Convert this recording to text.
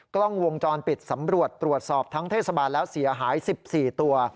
กล้องวงจรปิดสำรวจตรวจสอบทั้งเทศบาลแล้วเสียหาย๑๔ตัว